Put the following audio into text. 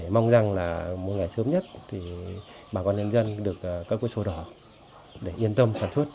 mong rằng là mỗi ngày sớm nhất bà con những dân được cất quyền sổ đỏ để yên tâm sản xuất